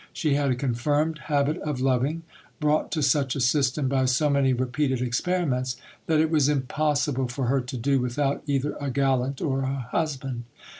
She had a confirmed habit of loving, brought to such a system by so many repeated experiments, that it was impossible for her to do without either a gallant or a husband.